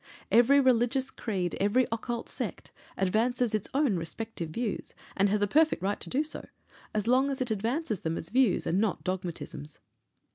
Every religious creed, every Occult sect, advances its own respective views and has a perfect right to do so, as long as it advances them as views and not dogmatisms.